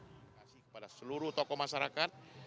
terima kasih kepada seluruh tokoh masyarakat